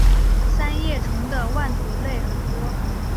三叶虫和腕足类很多。